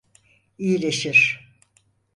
İyileşir.